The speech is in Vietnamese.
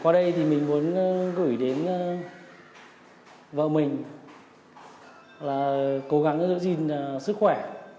qua đây thì mình muốn gửi đến vợ mình là cố gắng giữ gìn sức khỏe